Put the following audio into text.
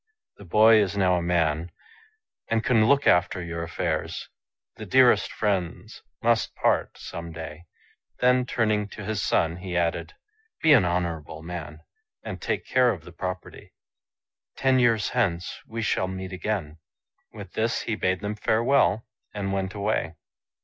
The boy is now a man, and can look after your affairs. The dearest friends must part some day." Then, turning to his son, he added, " Be an honourable man, and 104 STRANGE STORIES take care of the property. Ten years hence we shall meet again." With this he bade them farewell, and went away.